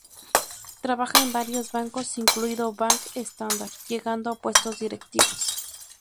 Trabaja en varios bancos, incluido Bank Standard, llegando a puestos directivos.